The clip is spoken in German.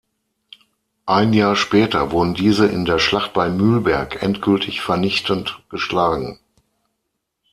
Ein Jahr später wurden diese in der Schlacht bei Mühlberg endgültig vernichtend geschlagen.